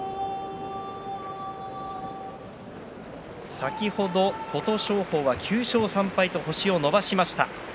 先ほど琴勝峰は９勝３敗と星を伸ばしました。